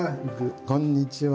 こんにちは。